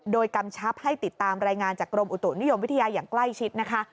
โดยกำชับให้ติดตามรายงานจากกรมอุตุนิยมวิทยาอย่างใกล้ชิดนะคะ